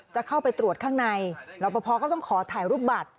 จะเข้าไปตรวจข้างในรับประพอก็ต้องขอถ่ายรูปบัตร